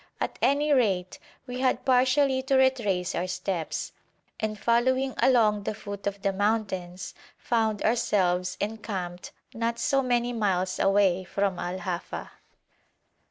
At any rate, we had partially to retrace our steps, and following along the foot of the mountains, found ourselves encamped not so many miles away from Al Hafa.